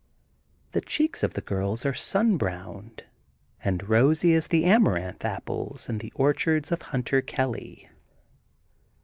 '' The cheeks of the girls are sun browned, and rosy as the Amaranth Apples in^ the orch ards of Hunter Kelly.